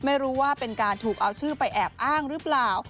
ไม่รู้ว่าเป็นการถูกเอาชื่อไปแอบอ้างหรือเปล่า